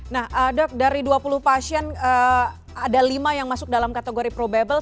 nah dok dari dua puluh pasien ada lima yang masuk dalam kategori probable